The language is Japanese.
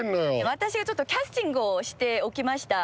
私がちょっとキャスティングをしておきました。